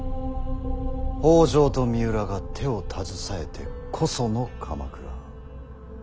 北条と三浦が手を携えてこその鎌倉。